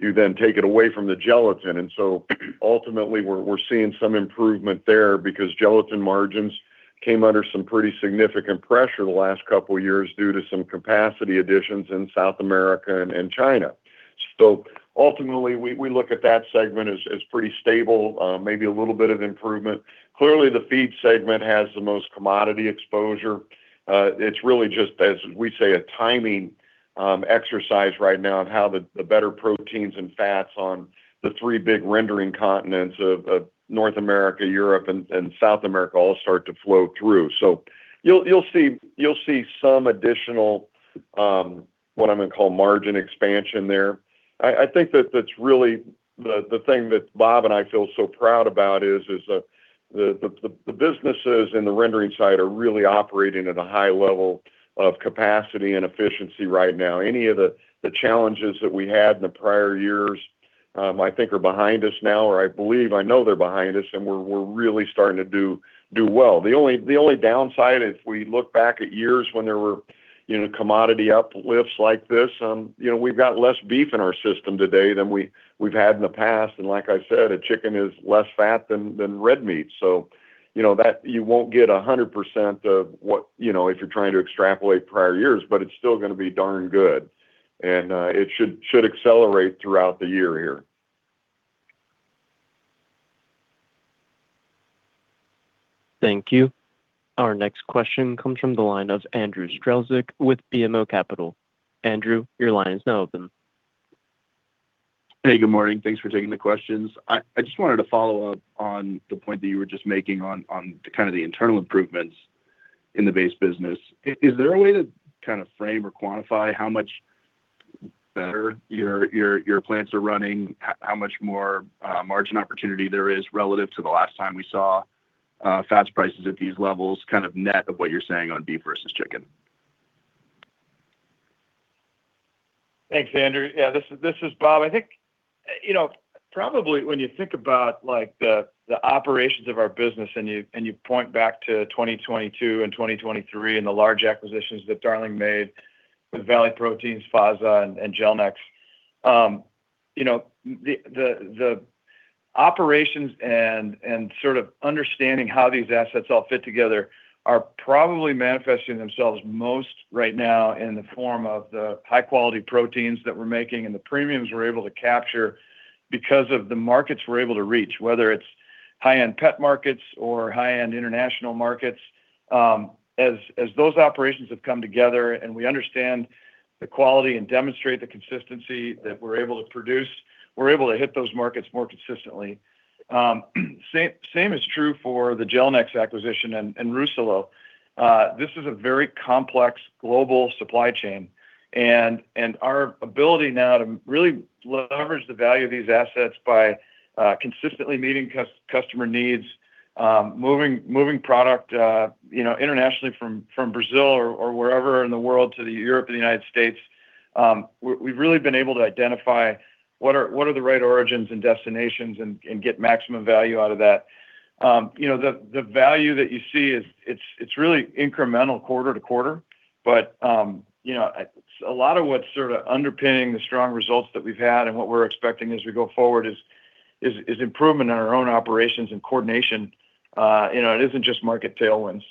you then take it away from the gelatin. Ultimately, we're seeing some improvement there because gelatin margins came under some pretty significant pressure the last couple years due to some capacity additions in South America and China. Ultimately, we look at that segment as pretty stable, maybe a little bit of improvement. Clearly, the feed segment has the most commodity exposure. It's really just, as we say, a timing exercise right now on how the better proteins and fats on the three big rendering continents of North America, Europe, and South America all start to flow through. You'll see some additional, what I'm gonna call margin expansion there. I think that that's really the thing that Bob and I feel so proud about is the businesses in the rendering side are really operating at a high level of capacity and efficiency right now. Any of the challenges that we had in the prior years, I think are behind us now, or I believe, I know they're behind us, and we're really starting to do well. The only downside, if we look back at years when there were, you know, commodity uplifts like this, you know, we've got less beef in our system today than we've had in the past. Like I said, a chicken is less fat than red meat. You know that you won't get 100% of what, you know, if you're trying to extrapolate prior years, but it's still gonna be darn good. It should accelerate throughout the year here. Thank you. Our next question comes from the line of Andrew Strelzik with BMO Capital. Andrew, your line is now open. Hey, good morning. Thanks for taking the questions. I just wanted to follow up on the kind of the internal improvements in the base business. Is there a way to kind of frame or quantify how much better your plants are running, how much more margin opportunity there is relative to the last time we saw fats prices at these levels, kind of net of what you're saying on beef versus chicken? Thanks, Andrew. Yeah, this is Bob. I think, you know. Probably when you think about like the operations of our business and you, and you point back to 2022 and 2023 and the large acquisitions that Darling made with Valley Proteins, FASA and Gelnex. You know, the, the operations and sort of understanding how these assets all fit together are probably manifesting themselves most right now in the form of the high-quality proteins that we're making and the premiums we're able to capture because of the markets we're able to reach, whether it's high-end pet markets or high-end international markets. As, as those operations have come together and we understand the quality and demonstrate the consistency that we're able to produce, we're able to hit those markets more consistently. Same is true for the Gelnex acquisition and Rousselot. This is a very complex global supply chain and our ability now to really leverage the value of these assets by, consistently meeting customer needs, moving product, you know, internationally from Brazil or wherever in the world to the Europe and the United States. We've really been able to identify what are the right origins and destinations and get maximum value out of that. You know, the value that you see is it's really incremental quarter-to-quarter. You know, a lot of what's sort of underpinning the strong results that we've had and what we're expecting as we go forward is improvement in our own operations and coordination. You know, it isn't just market tailwinds.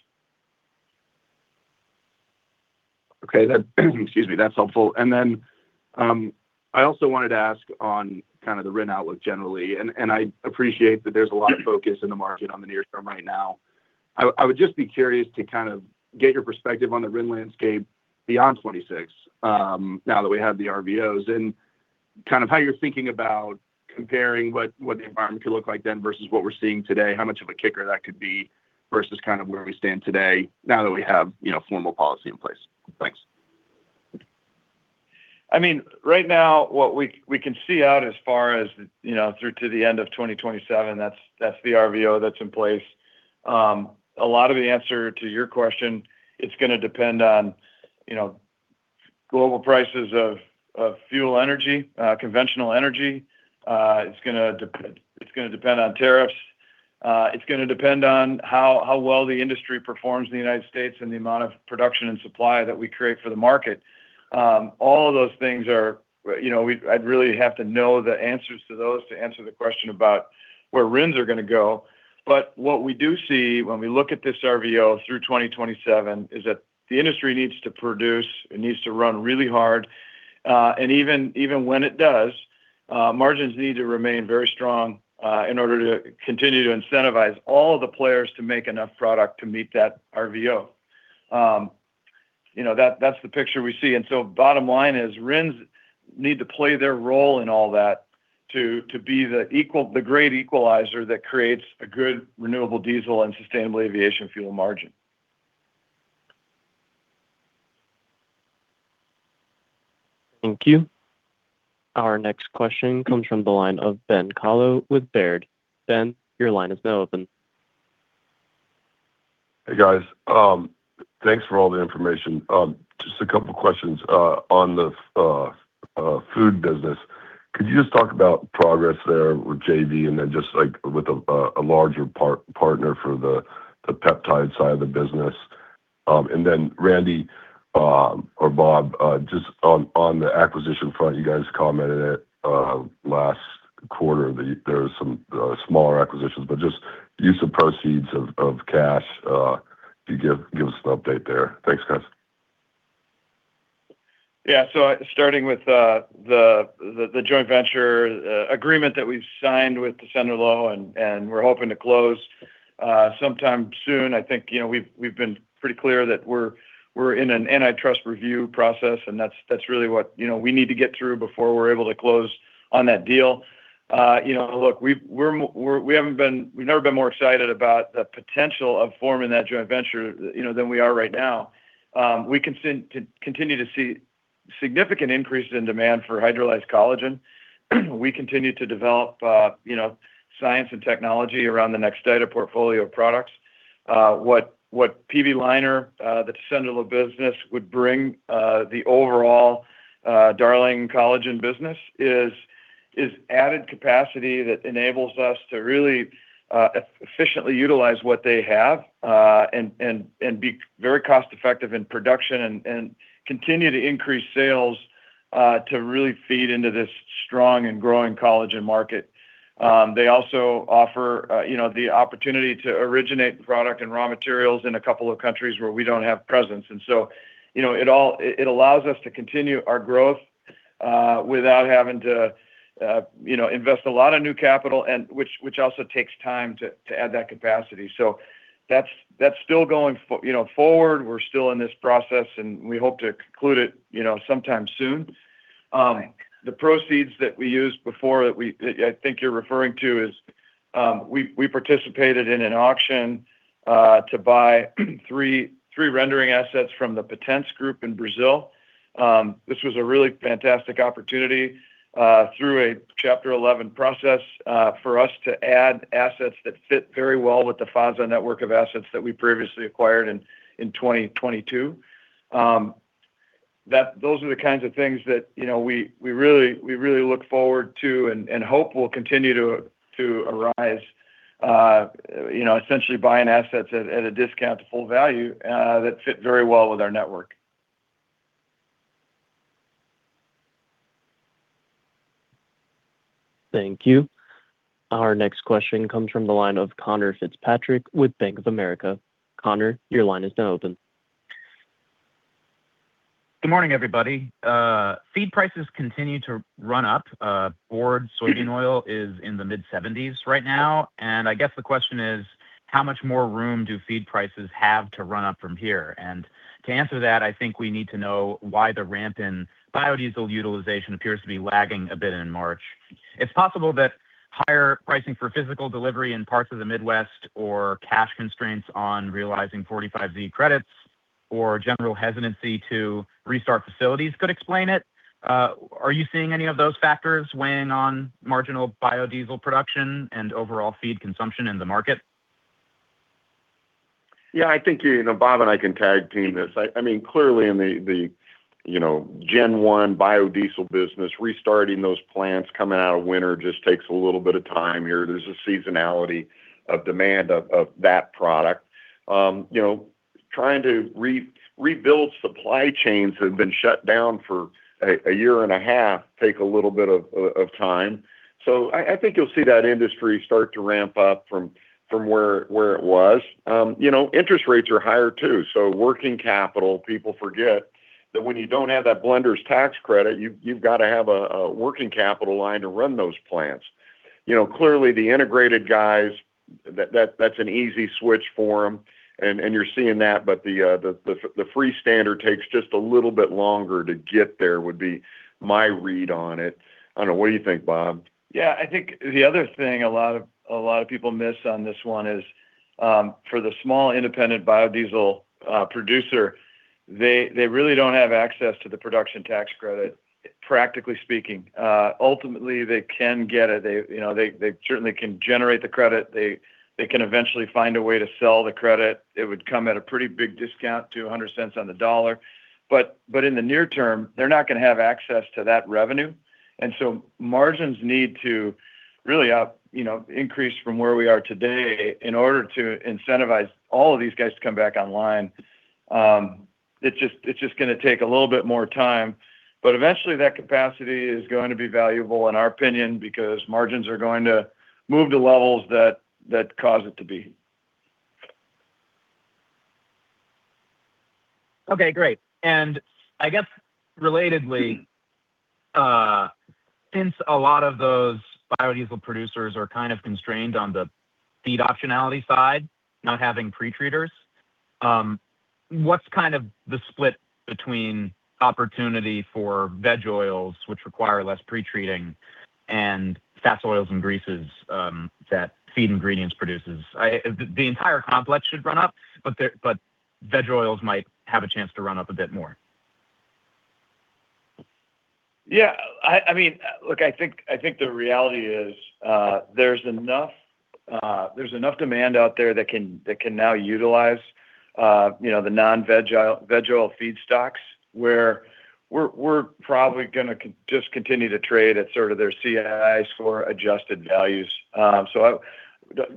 Okay. That, excuse me, that's helpful. I also wanted to ask on kind of the RIN outlook generally, and I appreciate that there's a lot of focus in the market on the near term right now. I would just be curious to kind of get your perspective on the RIN landscape beyond 2026, now that we have the RVOs, and kind of how you're thinking about comparing what the environment could look like then versus what we're seeing today, how much of a kicker that could be versus kind of where we stand today now that we have, you know, formal policy in place. Thanks. I mean, right now what we can see out as far as, you know, through to the end of 2027, that's the RVO that's in place. A lot of the answer to your question, it's gonna depend on, you know, global prices of fuel energy, conventional energy. It's gonna depend on tariffs. It's gonna depend on how well the industry performs in the U.S. and the amount of production and supply that we create for the market. All of those things, you know, I'd really have to know the answers to those to answer the question about where RINs are gonna go. What we do see when we look at this RVO through 2027 is that the industry needs to produce, it needs to run really hard. Even when it does, margins need to remain very strong in order to continue to incentivize all of the players to make enough product to meet that RVO. You know, that's the picture we see. Bottom line is RINs need to play their role in all that to be the great equalizer that creates a good renewable diesel and sustainable aviation fuel margin. Thank you. Our next question comes from the line of Ben Kallo with Baird. Ben, your line is now open. Hey, guys. Thanks for all the information. Just a couple questions on the food business. Could you just talk about progress there with JV and then just like with a larger partner for the peptide side of the business? Randy or Bob, just on the acquisition front, you guys commented it last quarter that there was some smaller acquisitions, but just use of proceeds of cash, if you give us an update there. Thanks, guys. Starting with the joint venture agreement that we've signed with Tessenderlo Group and we're hoping to close sometime soon. I think, you know, we've been pretty clear that we're in an antitrust review process, and that's really what, you know, we need to get through before we're able to close on that deal. You know, look, we've never been more excited about the potential of forming that joint venture, you know, than we are right now. We continue to see significant increases in demand for hydrolyzed collagen. We continue to develop, you know, science and technology around the Nextida portfolio of products. What PB Leiner, the Tessenderlo Group business would bring, the overall Darling collagen business is added capacity that enables us to really efficiently utilize what they have and be very cost-effective in production and continue to increase sales to really feed into this strong and growing collagen market. They also offer, you know, the opportunity to originate product and raw materials in a couple of countries where we don't have presence. You know, it all allows us to continue our growth without having to, you know, invest a lot of new capital and which also takes time to add that capacity. That's still going forward. We're still in this process, and we hope to conclude it, you know, sometime soon. The proceeds that we used before that I think you're referring to is, we participated in an auction to buy three rendering assets from the Patense Group in Brazil. This was a really fantastic opportunity through a Chapter 11 process for us to add assets that fit very well with the FASA network of assets that we previously acquired in 2022. That those are the kinds of things that, you know, we really, we really look forward to and hope will continue to arise. You know, essentially buying assets at a discount to full value that fit very well with our network. Thank you. Our next question comes from the line of Conor Fitzpatrick with Bank of America. Conor, your line is now open. Good morning, everybody. Feed prices continue to run up. Board soybean oil is in the mid-$70s right now. I guess the question is: how much more room do feed prices have to run up from here? To answer that, I think we need to know why the ramp in biodiesel utilization appears to be lagging a bit in March. It's possible that higher pricing for physical delivery in parts of the Midwest, or cash constraints on realizing 45Z credits, or general hesitancy to restart facilities could explain it. Are you seeing any of those factors weighing on marginal biodiesel production and overall feed consumption in the market? I think, you know, Bob and I can tag-team this. I mean, clearly in the, you know, gen one biodiesel business, restarting those plants coming out of winter just takes a little bit of time here. There's a seasonality of demand of that product. You know, trying to rebuild supply chains that have been shut down for a year and a half take a little bit of time. I think you'll see that industry start to ramp up from where it was. You know, interest rates are higher too, working capital, people forget that when you don't have that blender's tax credit, you've got to have a working capital line to run those plants. You know, clearly the integrated guys, that's an easy switch for them and you're seeing that. The free standard takes just a little bit longer to get there, would be my read on it. I don't know, what do you think, Bob? Yeah, I think the other thing a lot of people miss on this one is, for the small independent biodiesel producer, they really don't have access to the production tax credit, practically speaking. Ultimately they can get it. They, you know, they certainly can generate the credit. They can eventually find a way to sell the credit. It would come at a pretty big discount to $1.00 on the dollar. In the near term, they're not gonna have access to that revenue. Margins need to really increase from where we are today in order to incentivize all of these guys to come back online. It's just gonna take a little bit more time. Eventually, that capacity is going to be valuable in our opinion, because margins are going to move to levels that cause it to be. Okay, great. I guess relatedly, since a lot of those biodiesel producers are kind of constrained on the feed optionality side, not having pretreaters, what's kind of the split between opportunity for veg oils, which require less pre treating, and fats, oils, and greases, that Darling Ingredients produces? The entire complex should run up, but veg oils might have a chance to run up a bit more. Yeah. I mean, look, I think, I think the reality is, there's enough, there's enough demand out there that can, that can now utilize, you know, the non-veg oil, veg oil feedstocks, where we're probably gonna just continue to trade at sort of their CI score adjusted values. I,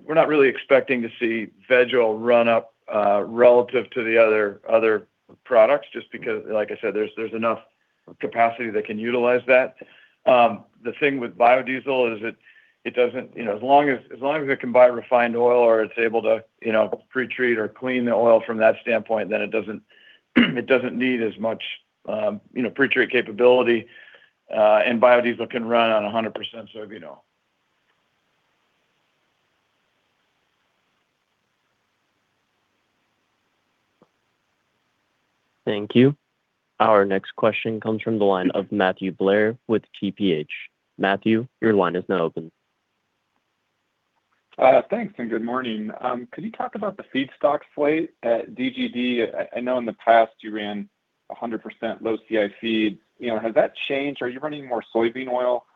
we're not really expecting to see veg oil run up relative to the other products just because, like I said, there's enough capacity that can utilize that. The thing with biodiesel is it doesn't, you know, as long as it can buy refined oil or it's able to, you know, pretreat or clean the oil from that standpoint, then it doesn't need as much, you know, pretreat capability, and biodiesel can run on 100% soybean oil. Thank you. Our next question comes from the line of Matthew Blair with Tudor, Pickering, Holt. Matthew, your line is now open. Thanks, and good morning. Could you talk about the feedstock slate at DGD? I know in the past you ran 100% low CI feed. You know, has that changed? Are you running more soybean oil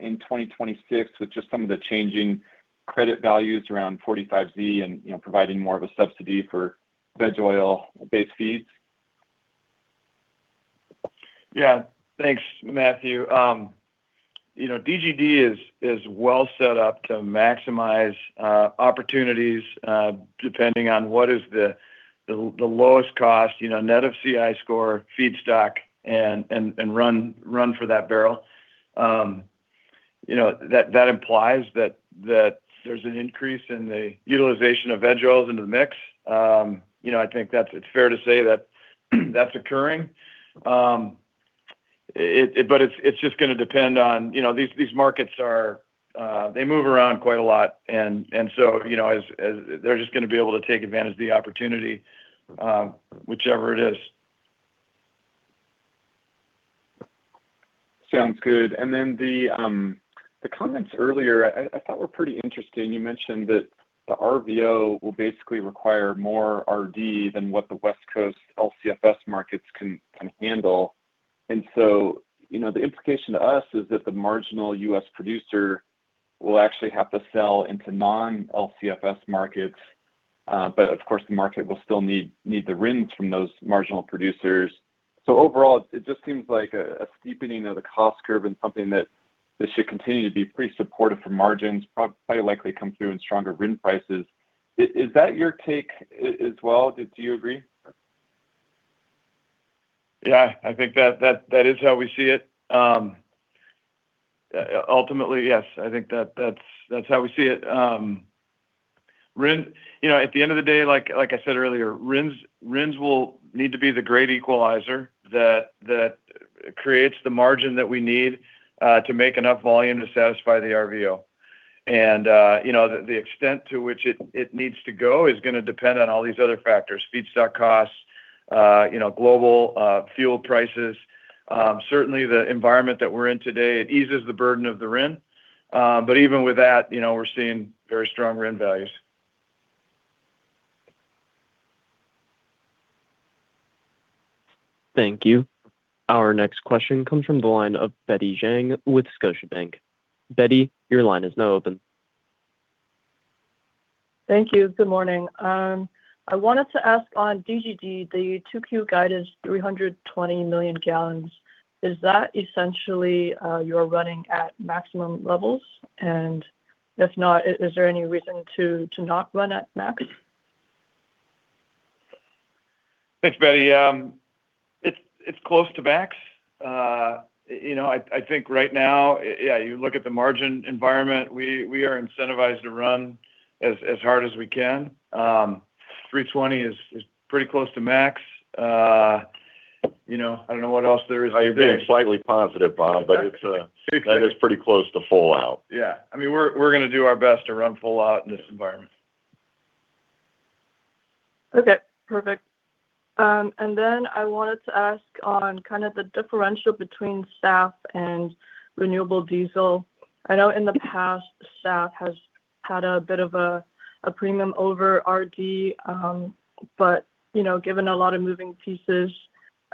in 2026 with just some of the changing credit values around 45Z and, you know, providing more of a subsidy for veg oil-based feeds? Thanks, Matthew. You know, DGD is well set up to maximize opportunities depending on what is the lowest cost, you know, net of CI score feedstock and run for that barrel. You know, that implies that there's an increase in the utilization of veg oils into the mix. You know, I think it's fair to say that that's occurring. It's just gonna depend on, you know, these markets are, they move around quite a lot and so, you know, as they're just gonna be able to take advantage of the opportunity, whichever it is. Sounds good. The comments earlier I thought were pretty interesting, you mentioned that the RVO will basically require more RD than what the West Coast LCFS markets can handle. You know, the implication to us is that the marginal U.S. producer will actually have to sell into non-LCFS markets. Of course, the market will still need the RINs from those marginal producers. Overall, it just seems like a steepening of the cost curve and something that should continue to be pretty supportive for margins. Very likely come through in stronger RIN prices. Is that your take as well? Do you agree? Yeah, I think that is how we see it. Ultimately, yes. I think that's how we see it. RIN, you know, at the end of the day, like I said earlier, RINs will need to be the great equalizer that creates the margin that we need to make enough volume to satisfy the RVO. You know, the extent to which it needs to go is gonna depend on all these other factors: feedstock costs, you know, global fuel prices. Certainly the environment that we're in today, it eases the burden of the RIN. Even with that, you know, we're seeing very strong RIN values. Thank you. Our next question comes from the line of Betty Zhang with Scotiabank. Betty, your line is now open. Thank you. Good morning. I wanted to ask on DGD, the 2Q guide is 320 million gallons. Is that essentially, you're running at maximum levels? If not, is there any reason to not run at max? Thanks, Betty. It's close to max. You know, I think right now, you look at the margin environment, we are incentivized to run as hard as we can. 320 is pretty close to max. You know, I don't know what else there is. You're being slightly positive, Bob, but it's, that is pretty close to full out. Yeah. I mean, we're gonna do our best to run full out in this environment. Okay. Perfect. Then I wanted to ask on kind of the differential between SAF and renewable diesel. I know in the past, SAF has had a bit of a premium over RD. You know, given a lot of moving pieces,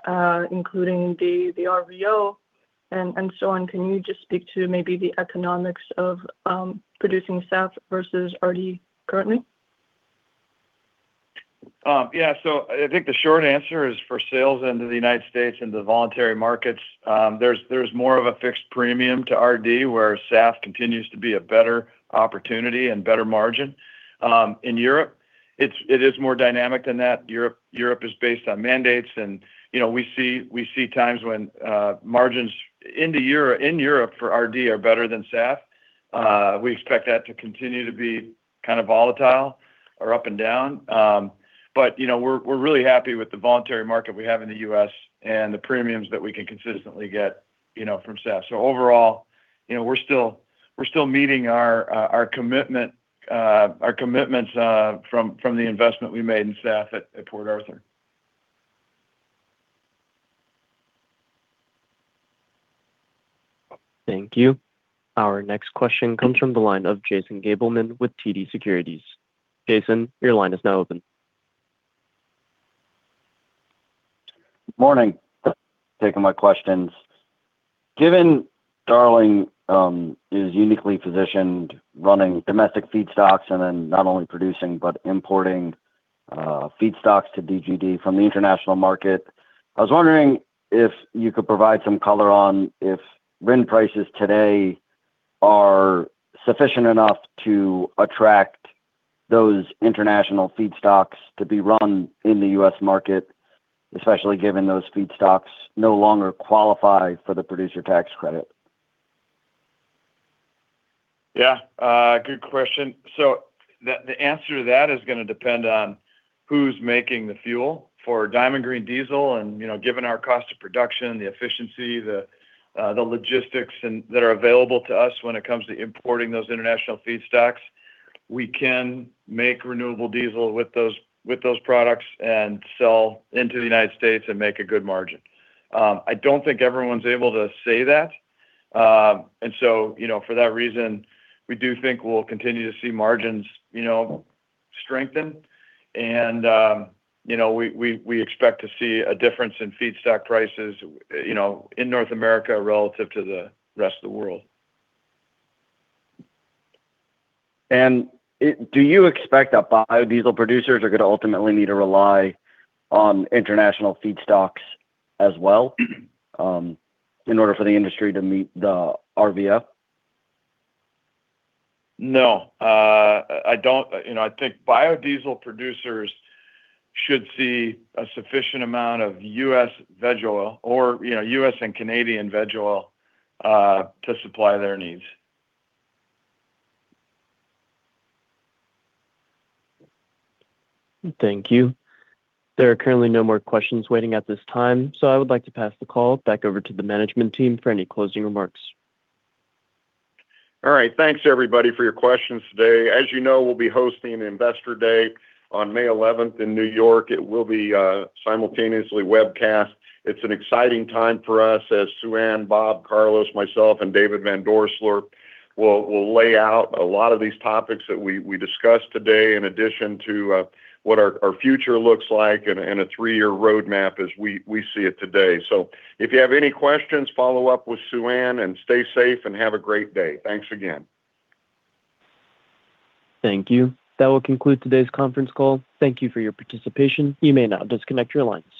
including the RVO and so on, can you just speak to maybe the economics of producing SAF versus RD currently? Yeah. I think the short answer is for sales into the United States and the voluntary markets, there's more of a fixed premium to RD, where SAF continues to be a better opportunity and better margin. In Europe, it is more dynamic than that. Europe is based on mandates and, you know, we see times when margins in Europe for RD are better than SAF. We expect that to continue to be kind of volatile or up and down. You know, we're really happy with the voluntary market we have in the U.S. and the premiums that we can consistently get, you know, from SAF. Overall, you know, we're still meeting our commitments from the investment we made in SAF at Port Arthur. Thank you. Our next question comes from the line of Jason Gabelman with TD Securities. Jason, your line is now open. Morning. Taking my questions. Given Darling is uniquely positioned running domestic feedstocks and then not only producing but importing feedstocks to DGD from the international market, I was wondering if you could provide some color on if RIN prices today are sufficient enough to attract those international feedstocks to be run in the U.S. market, especially given those feedstocks no longer qualify for the production tax credit. Good question. The answer to that is gonna depend on who's making the fuel. For Diamond Green Diesel, you know, given our cost of production, the efficiency, the logistics that are available to us when it comes to importing those international feedstocks, we can make renewable diesel with those, with those products and sell into the United States and make a good margin. I don't think everyone's able to say that. You know, for that reason, we do think we'll continue to see margins, you know, strengthen. You know, we expect to see a difference in feedstock prices, you know, in North America relative to the rest of the world. Do you expect that biodiesel producers are gonna ultimately need to rely on international feedstocks as well, in order for the industry to meet the RVO? No. I don't. You know, I think biodiesel producers should see a sufficient amount of U.S. veg oil or, you know, U.S. and Canadian veg oil, to supply their needs. Thank you. There are currently no more questions waiting at this time. I would like to pass the call back over to the management team for any closing remarks. All right. Thanks, everybody, for your questions today. As you know, we'll be hosting Investor Day on May 11th in New York. It will be simultaneously webcast. It's an exciting time for us as Suann, Bob, Carlos, myself, and Dave Van Dorselaer will lay out a lot of these topics that we discussed today, in addition to what our future looks like and a three-year roadmap as we see it today. If you have any questions, follow up with Suann, and stay safe and have a great day. Thanks again. Thank you. That will conclude today's conference call. Thank you for your participation. You may now disconnect your lines.